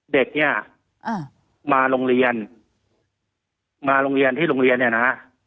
เด็กเนี่ยมาโรงเรียนมาโรงเรียนที่โรงเรียนเนี่ยนะฮะ